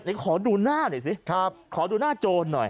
เดี๋ยวขอดูหน้าหน่อยสิขอดูหน้าโจรหน่อย